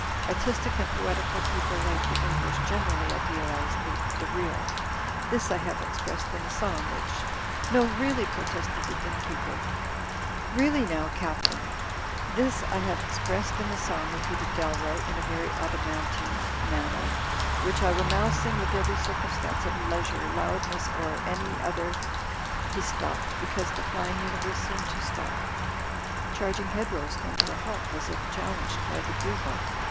Artistic and poetical people like the English generally idealize the real. This I have ex pressed in a song, which —" "No, really," protested the innkeeper, "really now. Captain —" "This I have expressed in a song," repeated Dalroy, in an adamantine manner, "which I will now sing with every circumstance of leisure, loudness, or any other—" He stopped because the flying imiverse seemed to stop. Charging hedgerows came to a halt, as if chal lenged by the bugle.